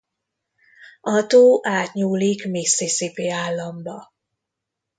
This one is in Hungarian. A tó átnyúlik Mississippi államba.